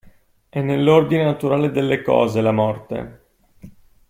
È nell'ordine naturale delle cose, la morte.